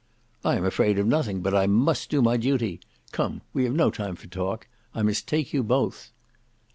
"I am afraid of nothing; but I must do my duty. Come we have no time for talk. I must take you both."